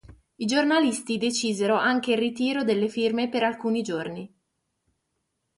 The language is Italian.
I giornalisti decisero anche il ritiro delle firme per alcuni giorni.